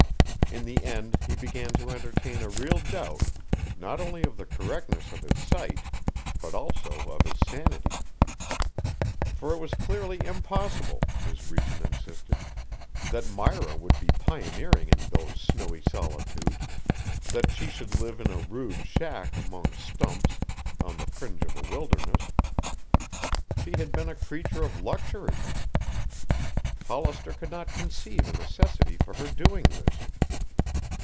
In the end he began to entertain a real doubt not only of the correctness of his sight, but also of his sanity. For it was clearly impossible, his reason insisted, that Myra would be pioneering in those snowy solitudes, that she should live in a rude shack among stumps on the fringe of a wilderness. She had been a creature of luxury. Hollister could not conceive a necessity for her doing this.